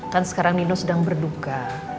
kan sekarang nino sedang berduka